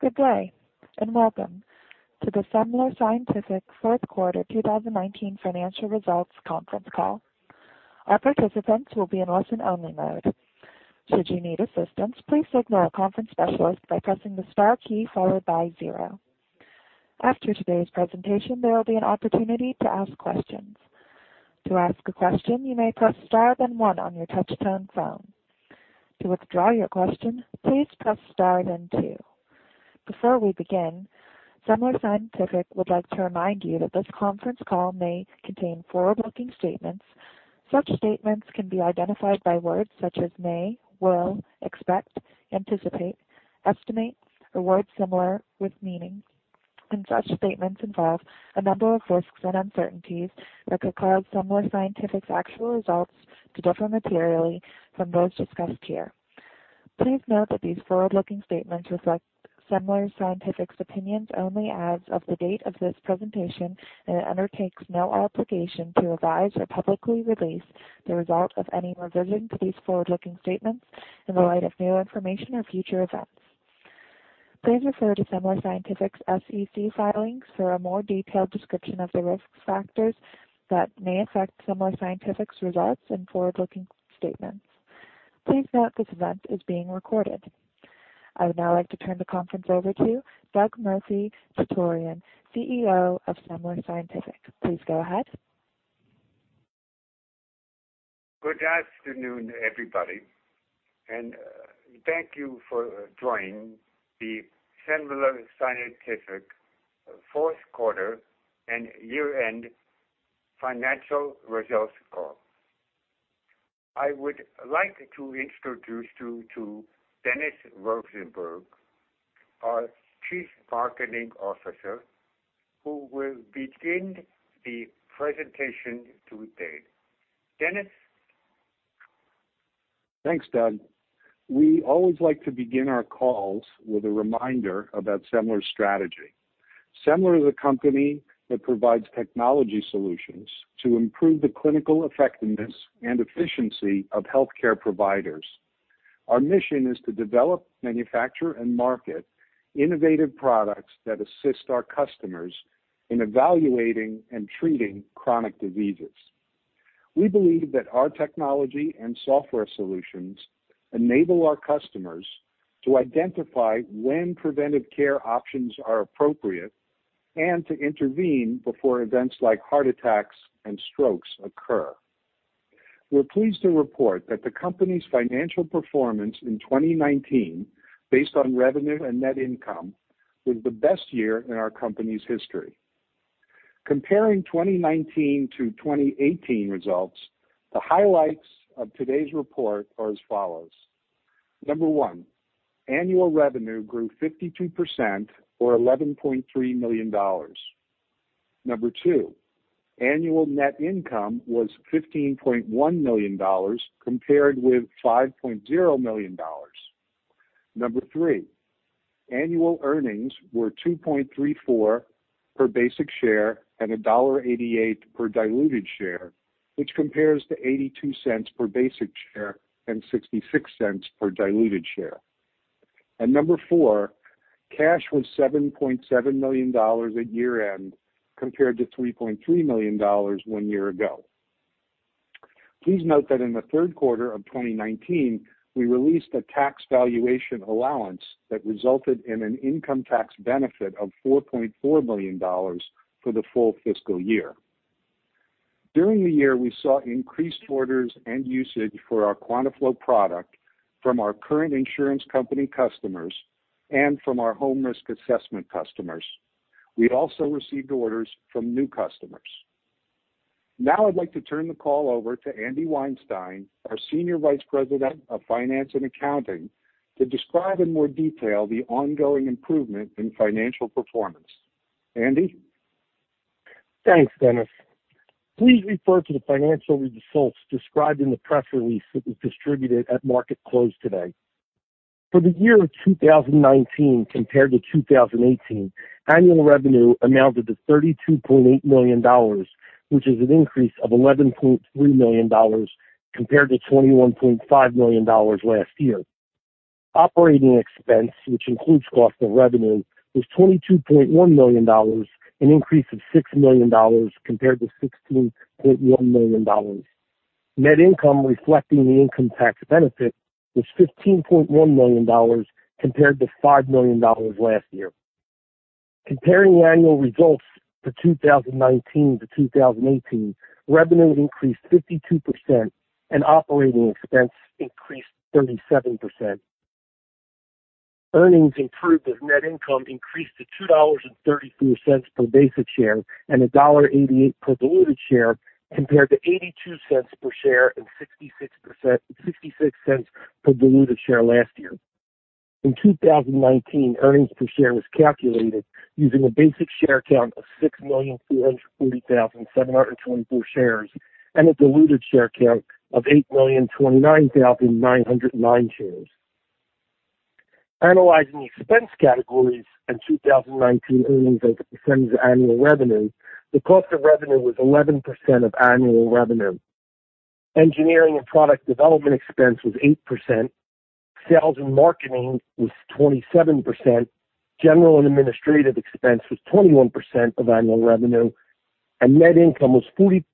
Good day and welcome to the Semler Scientific fourth quarter 2019 financial results conference call. All participants will be in listen only mode. Should you need assistance, please signal a conference specialist by pressing the star key followed by zero. After today's presentation, there will be an opportunity to ask questions. To ask a question, you may press star then one on your touch-tone phone. To withdraw your question, please press star then two. Before we begin, Semler Scientific would like to remind you that this conference call may contain forward-looking statements. Such statements can be identified by words such as may, will, expect, anticipate, estimate, or words similar with meaning, and such statements involve a number of risks and uncertainties that could cause Semler Scientific's actual results to differ materially from those discussed here. Please note that these forward-looking statements reflect Semler Scientific's opinions only as of the date of this presentation, and it undertakes no obligation to revise or publicly release the result of any revision to these forward-looking statements in the light of new information or future events. Please refer to Semler Scientific's SEC filings for a more detailed description of the risk factors that may affect Semler Scientific's results and forward-looking statements. Please note this event is being recorded. I would now like to turn the conference over to Doug Murphy-Chutorian, CEO of Semler Scientific. Please go ahead. Good afternoon, everybody, and thank you for joining the Semler Scientific fourth quarter and year-end financial results call. I would like to introduce you to Dennis Rosenberg, our Chief Marketing Officer, who will begin the presentation today. Dennis? Thanks, Doug. We always like to begin our calls with a reminder about Semler's strategy. Semler is a company that provides technology solutions to improve the clinical effectiveness and efficiency of healthcare providers. Our mission is to develop, manufacture, and market innovative products that assist our customers in evaluating and treating chronic diseases. We believe that our technology and software solutions enable our customers to identify when preventive care options are appropriate and to intervene before events like heart attacks and strokes occur. We're pleased to report that the company's financial performance in 2019, based on revenue and net income, was the best year in our company's history. Comparing 2019 to 2018 results, the highlights of today's report are as follows. Number one, annual revenue grew 52% or $11.3 million. Number two, annual net income was $15.1 million compared with $5.0 million. Number three, annual earnings were $2.34 per basic share and $1.88 per diluted share, which compares to $0.82 per basic share and $0.66 per diluted share. Number four, cash was $7.7 million at year-end, compared to $3.3 million, one year ago. Please note that in the third quarter of 2019, we released a tax valuation allowance that resulted in an income tax benefit of $4.4 million for the full fiscal year. During the year, we saw increased orders and usage for our QuantaFlo product from our current insurance company customers and from our home risk assessment customers. We also received orders from new customers. Now I'd like to turn the call over to Andy Weinstein, our Senior Vice President of Finance and Accounting, to describe in more detail the ongoing improvement in financial performance. Andy? Thanks, Dennis. Please refer to the financial results described in the press release that was distributed at market close today. For the year of 2019 compared to 2018, annual revenue amounted to $32.8 million, which is an increase of $11.3 million compared to $21.5 million last year. Operating expense, which includes cost of revenue, was $22.1 million, an increase of $6 million compared to $16.1 million. Net income, reflecting the income tax benefit, was $15.1 million compared to $5 million last year. Comparing annual results for 2019 to 2018, revenue increased 52% and operating expense increased 37%. Earnings improved as net income increased to $2.34 per basic share and $1.88 per diluted share, compared to $0.82 per share and $0.66 per diluted share last year. In 2019, earnings per share was calculated using a basic share count of 6,447,724 shares and a diluted share count of 8,029,909 shares. Analyzing expense categories and 2019 earnings as a percent of annual revenue, the cost of revenue was 11% of annual revenue. Engineering and product development expense was 8%, sales and marketing was 27%, general and administrative expense was 21% of annual revenue, and net income was 46%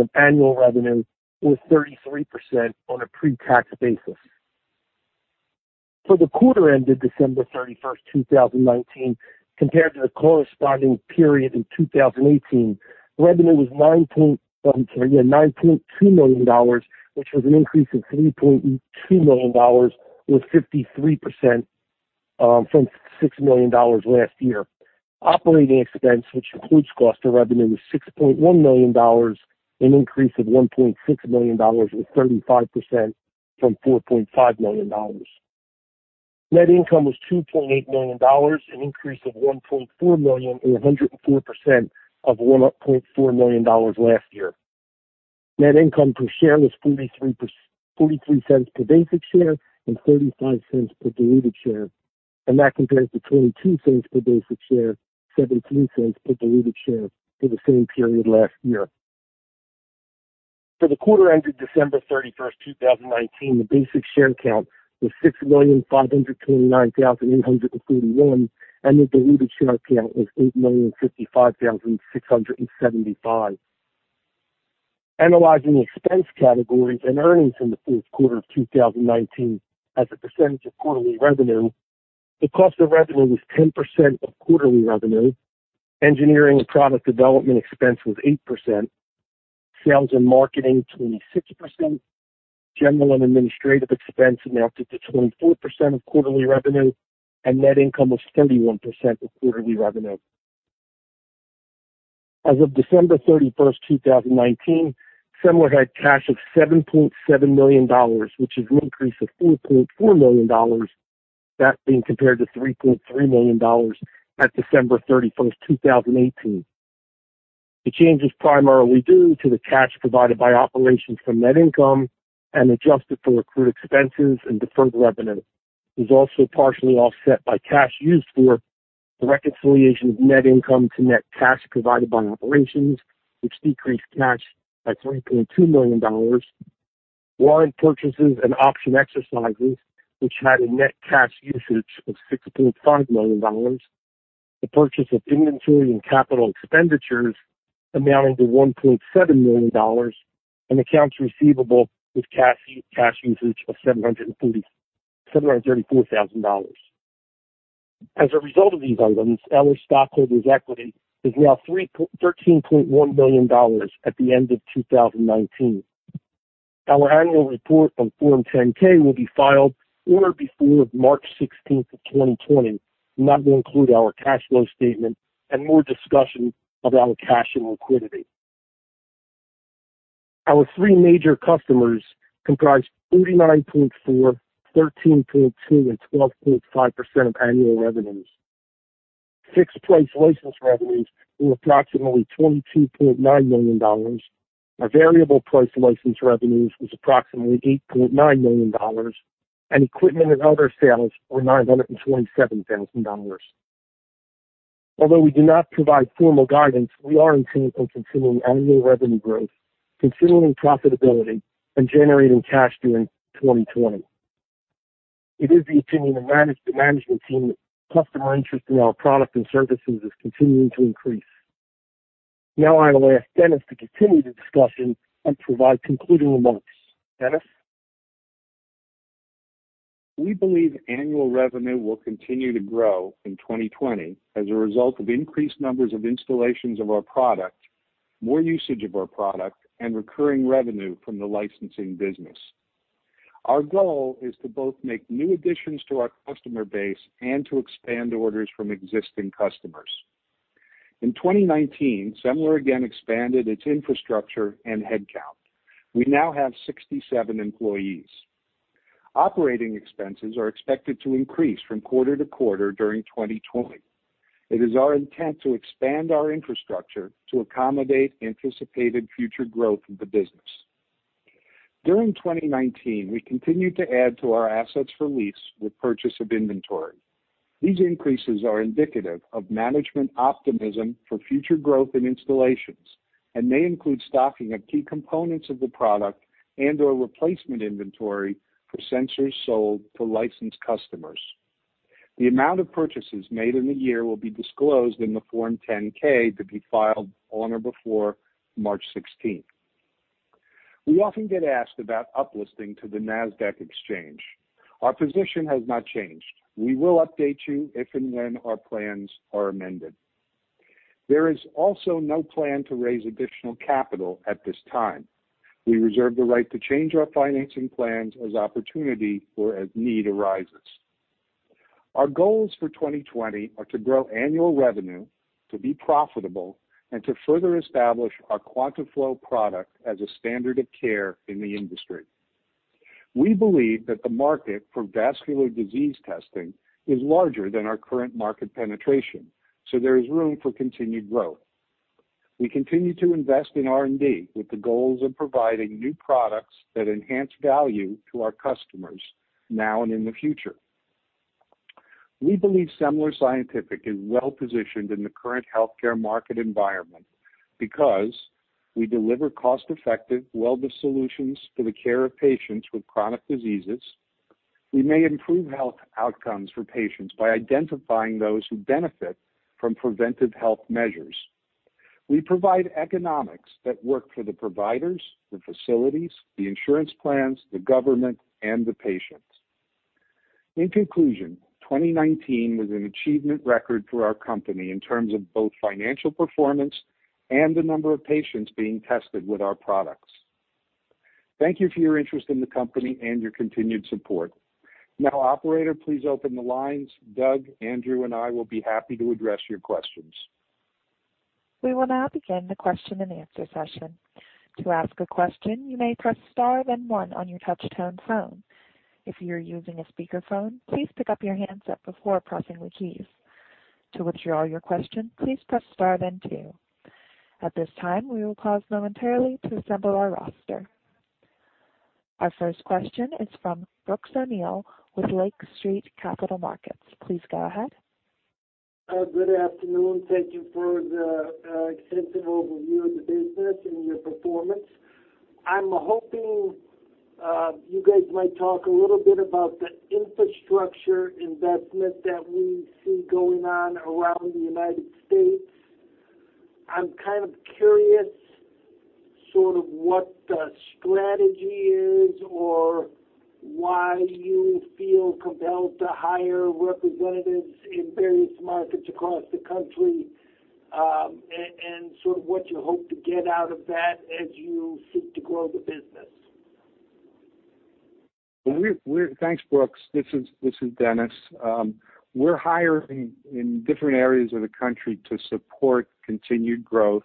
of annual revenue, or 33% on a pre-tax basis. For the quarter ended December 31st, 2019, compared to the corresponding period in 2018, revenue was $9.2 million, which was an increase of $3.2 million, or 53%, from $6 million last year. Operating expense, which includes cost of revenue, was $6.1 million, an increase of $1.6 million, or 35%, from $4.5 million. Net income was $2.8 million, an increase of $1.4 million or 104% of $1.4 million last year. Net income per share was $0.43 per basic share and $0.35 per diluted share. That compares to $0.22 per basic share, $0.17 per diluted share for the same period last year. For the quarter ended December 31st, 2019, the basic share count was 6,529,831, and the diluted share count was 8,055,675. Analyzing expense categories and earnings in the fourth quarter of 2019 as a percentage of quarterly revenue, the cost of revenue was 10% of quarterly revenue. Engineering and product development expense was 8%, sales and marketing, 26%, general and administrative expense amounted to 24% of quarterly revenue, and net income was 31% of quarterly revenue. As of December 31st, 2019, Semler had cash of $7.7 million, which is an increase of $4.4 million. That being compared to $3.3 million at December 31st, 2018. The change is primarily due to the cash provided by operations from net income and adjusted for accrued expenses and deferred revenue. It was also partially offset by cash used for the reconciliation of net income to net cash provided by operations, which decreased cash by $3.2 million. Warrant purchases and option exercises, which had a net cash usage of $6.5 million. The purchase of inventory and capital expenditures amounting to $1.7 million, and accounts receivable with cash usage of $734,000. As a result of these items, our stockholders' equity is now $13.1 million at the end of 2019. Our annual report on Form 10-K will be filed on or before March 16th of 2020, and that will include our cash flow statement and more discussion about cash and liquidity. Our three major customers comprised 49.4%, 13.2% and 12.5% of annual revenues. Fixed price license revenues were approximately $22.9 million. Our variable price license revenues was approximately $8.9 million, and equipment and other sales were $927,000. Although we do not provide formal guidance, we are intent on continuing annual revenue growth, continuing profitability, and generating cash during 2020. It is the opinion of the management team that customer interest in our products and services is continuing to increase. Now I will ask Dennis to continue the discussion and provide concluding remarks. Dennis? We believe annual revenue will continue to grow in 2020 as a result of increased numbers of installations of our product, more usage of our product, and recurring revenue from the licensing business. Our goal is to both make new additions to our customer base and to expand orders from existing customers. In 2019, Semler again expanded its infrastructure and headcount. We now have 67 employees. Operating expenses are expected to increase from quarter to quarter during 2020. It is our intent to expand our infrastructure to accommodate anticipated future growth of the business. During 2019, we continued to add to our assets for lease with purchase of inventory. These increases are indicative of management optimism for future growth in installations and may include stocking of key components of the product and/or replacement inventory for sensors sold to licensed customers. The amount of purchases made in the year will be disclosed in the Form 10-K to be filed on or before March 16th. We often get asked about up-listing to the Nasdaq Exchange. Our position has not changed. We will update you if and when our plans are amended. There is also no plan to raise additional capital at this time. We reserve the right to change our financing plans as opportunity or as need arises. Our goals for 2020 are to grow annual revenue, to be profitable, and to further establish our QuantaFlo product as a standard of care in the industry. We believe that the market for vascular disease testing is larger than our current market penetration, so there is room for continued growth. We continue to invest in R&D with the goals of providing new products that enhance value to our customers now and in the future. We believe Semler Scientific is well-positioned in the current healthcare market environment because we deliver cost-effective wellness solutions for the care of patients with chronic diseases. We may improve health outcomes for patients by identifying those who benefit from preventive health measures. We provide economics that work for the providers, the facilities, the insurance plans, the government, and the patients. In conclusion, 2019 was an achievement record for our company in terms of both financial performance and the number of patients being tested with our products. Thank you for your interest in the company and your continued support. Now, operator, please open the lines. Doug, Andrew, and I will be happy to address your questions. We will now begin the question and answer session. To ask a question, you may press star then one on your touch-tone phone. If you're using a speakerphone, please pick up your handset before pressing the keys. To withdraw your question, please press star then two. At this time, we will pause momentarily to assemble our roster. Our first question is from Brooks O'Neil with Lake Street Capital Markets. Please go ahead. Good afternoon. Thank you for the extensive overview of the business and your performance. I'm hoping you guys might talk a little bit about the infrastructure investment that we see going on around the United States. I'm kind of curious sort of what the strategy is or why you feel compelled to hire representatives in various markets across the country, and sort of what you hope to get out of that as you seek to grow the business. Thanks, Brooks. This is Dennis. We're hiring in different areas of the country to support continued growth,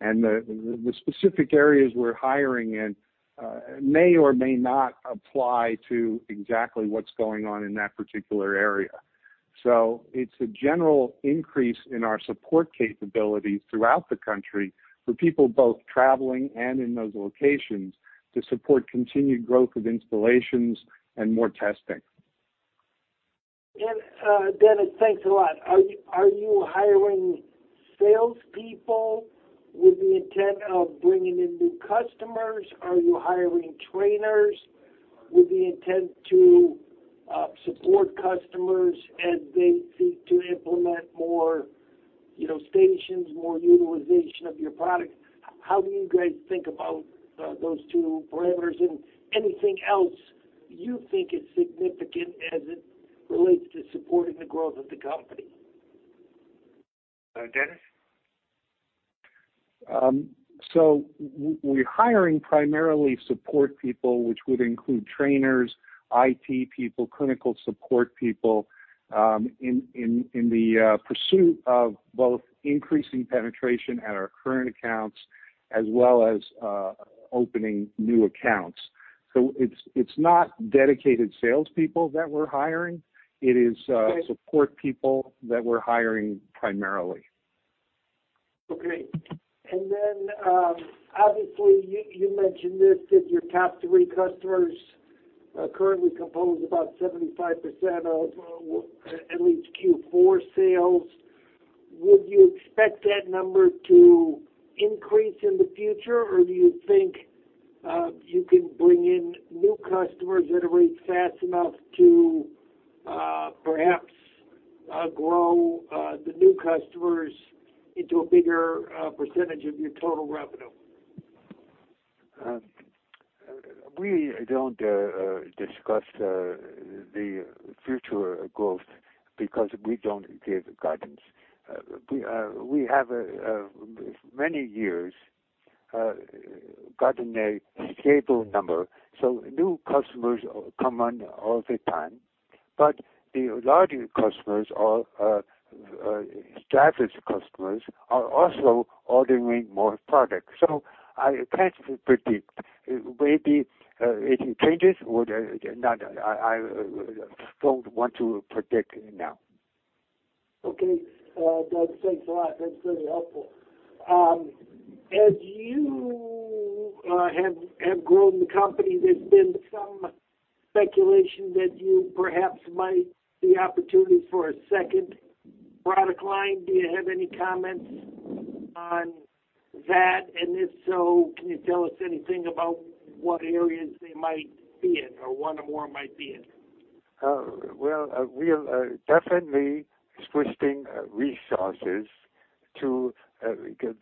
and the specific areas we're hiring in may or may not apply to exactly what's going on in that particular area. It's a general increase in our support capabilities throughout the country for people both traveling and in those locations to support continued growth of installations and more testing. Dennis, thanks a lot. Are you hiring salespeople with the intent of bringing in new customers? Are you hiring trainers with the intent to support customers as they seek to implement more stations, more utilization of your product? How do you guys think about those two parameters and anything else you think is significant as it relates to supporting the growth of the company? Dennis? We're hiring primarily support people, which would include trainers, IT people, clinical support people, in the pursuit of both increasing penetration at our current accounts as well as opening new accounts. It's not dedicated salespeople that we're hiring. Okay Support people that we're hiring primarily. Okay. Obviously, you mentioned this, that your top three customers currently compose about 75% of at least Q4 sales. Would you expect that number to increase in the future, or do you think you can bring in new customers at a rate fast enough to perhaps grow the new customers into a bigger percentage of your total revenue? We don't discuss the future growth because we don't give guidance. We have, for many years, gotten a stable number, new customers come on all the time. The larger customers or established customers are also ordering more products. I can't predict. Maybe it changes or not. I don't want to predict now. Okay. Doug, thanks a lot. That's very helpful. As you have grown the company, there's been some speculation that you perhaps might see opportunities for a second product line. Do you have any comments on that? If so, can you tell us anything about what areas they might be in, or one or more might be in? Well, we are definitely switching resources to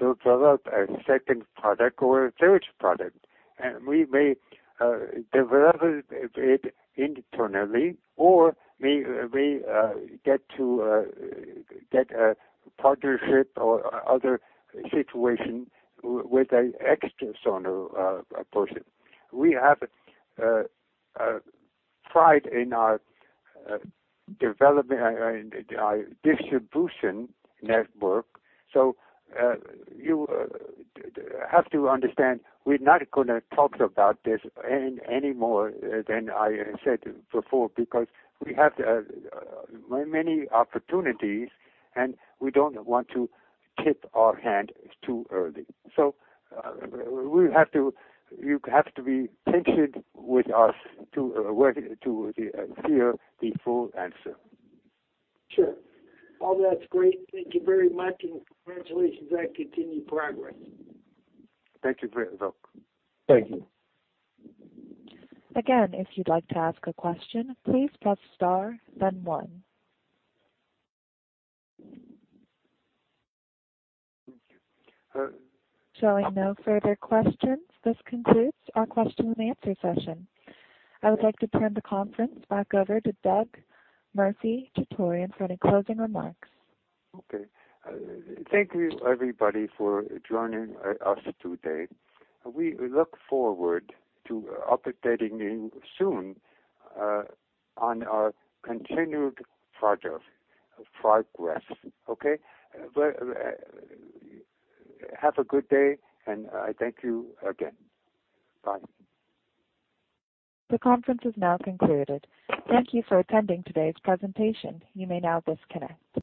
develop a second product or a third product. We may develop it internally, or we may get a partnership or other situation with an external person. We have pride in our distribution network. You have to understand, we're not going to talk about this any more than I said before because we have many opportunities, and we don't want to tip our hand too early. You have to be patient with us to hear the full answer. Sure. All that's great. Thank you very much, and congratulations on continued progress. Thank you, Brooks. Thank you. Again, if you'd like to ask a question, please press star, then one. Showing no further questions, this concludes our question and answer session. I would like to turn the conference back over to Doug Murphy-Chutorian for any closing remarks. Okay. Thank you, everybody, for joining us today. We look forward to updating you soon on our continued progress. Okay? Have a good day, and thank you again. Bye. The conference has now concluded. Thank you for attending today's presentation. You may now disconnect.